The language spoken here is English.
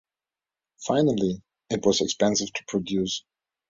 Finally, it was expensive to produce.